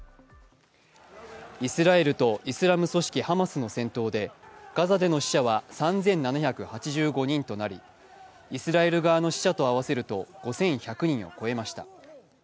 イスラエルとイスラム組織ハマスの戦闘でガザでの死者は３７８５人となり、イスラエル側の死者と合わせると５１００人を超えました。